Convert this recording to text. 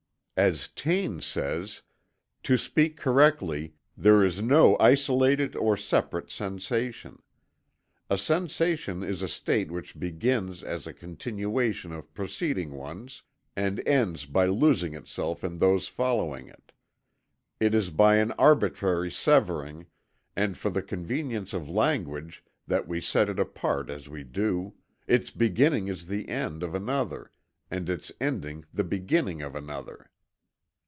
As Taine says: "To speak correctly, there is no isolated or separate sensation. A sensation is a state which begins as a continuation of preceding ones, and ends by losing itself in those following it; it is by an arbitrary severing, and for the convenience of language, that we set it apart as we do; its beginning is the end of another, and its ending the beginning of another."